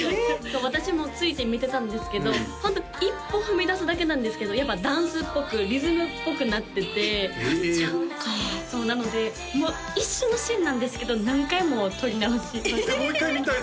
私もついて見てたんですけどホント１歩踏み出すだけなんですけどやっぱダンスっぽくリズムっぽくなっててええそうなので一瞬のシーンなんですけど何回も撮り直しもう一回見たい！